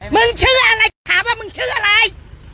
มึงชื่ออะไรก็ถามว่ามึงชื่ออะไร